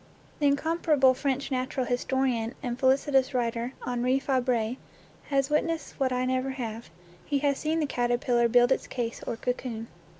The incomparable French natural historian and felicitous writer Henri Fabre has witnessed what I never have: he has seen the caterpillar build its case or cocoon.